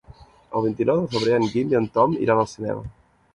El vint-i-nou de febrer en Guim i en Tom iran al cinema.